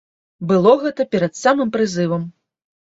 Было гэта перад самым прызывам.